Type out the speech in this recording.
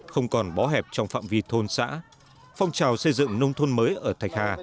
không còn bó hẹp trong phạm vi thôn xã phong trào xây dựng nông thôn mới ở thạch hà